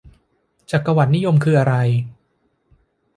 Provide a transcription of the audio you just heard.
จักรวรรดินิยมคืออะไร ?